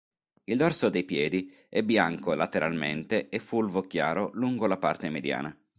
Il dorso dei piedi è bianco lateralmente e fulvo chiaro lungo la parte mediana.